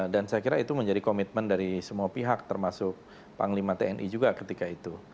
dan saya kira itu menjadi komitmen dari semua pihak termasuk panglima tni juga ketika itu